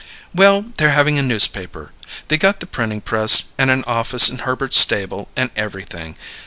"Well, they're having a newspaper. They got the printing press and an office in Herbert's stable, and everything.